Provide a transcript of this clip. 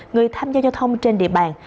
người tham gia giao thông trên địa bàn